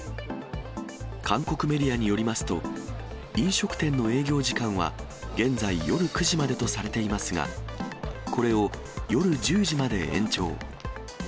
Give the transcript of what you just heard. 韓国メディアによりますと、飲食店の営業時間は現在、夜９時までとされていますが、これを夜１０時まで延長。